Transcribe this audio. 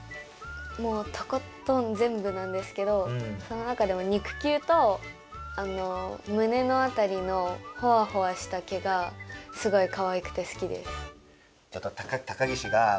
もうとことんぜんぶなんですけどその中でも肉球とむねのあたりのホワホワした毛がすごいかわいくて好きです。